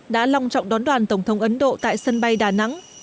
đã long trọng đón đoàn tổng thống ấn độ tại sân bay đà nẵng